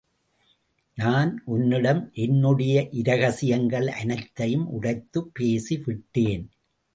நான் உன்னிடம் என்னுடைய இரகசியங்கள் அனைத்தையும் உடைத்துப் பேசி விட்டேன்.